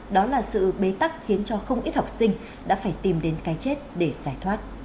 đó là sự bế tắc khiến cho không ít học sinh đã phải tìm đến cái chết để giải thoát